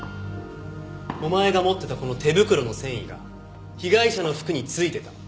お前が持ってたこの手袋の繊維が被害者の服についてた。